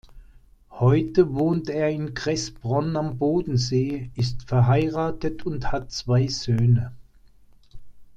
Heute wohnt er in Kressbronn am Bodensee, ist verheiratet und hat zwei Söhne.